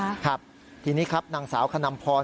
หรอครับครับทีนี้ครับนางสาวขนำพร